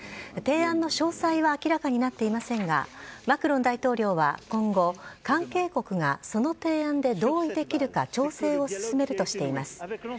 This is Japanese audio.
提案の詳細は明らかになっていませんが、マクロン大統領は今後、関係国がその提案で同意できるか調整を進めるとしています。